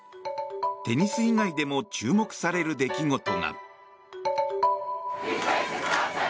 テニス以外でも注目される出来事が。